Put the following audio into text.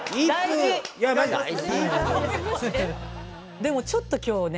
でもちょっと今日ね